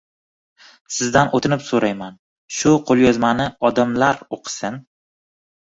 — Sizdan o’tinib so’rayman. Shu qo’lyozmani odamlar o’qisin.